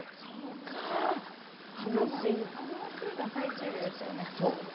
しかも、あの日が最終日でしたよね。